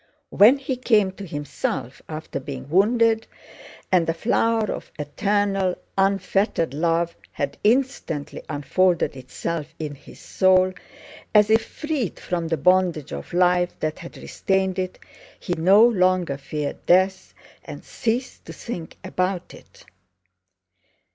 When he came to himself after being wounded and the flower of eternal, unfettered love had instantly unfolded itself in his soul as if freed from the bondage of life that had restrained it, he no longer feared death and ceased to think about it.